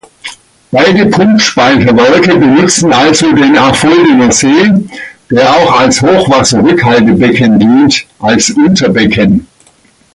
Beide Pumpspeicherwerke benutzen also den Affolderner See, der auch als Hochwasserrückhaltebecken dient, als Unterbecken.